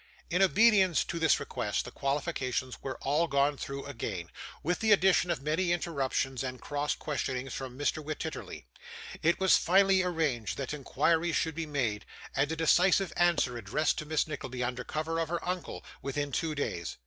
In obedience to this request, the qualifications were all gone through again, with the addition of many interruptions and cross questionings from Mr. Wititterly. It was finally arranged that inquiries should be made, and a decisive answer addressed to Miss Nickleby under cover of her uncle, within two days.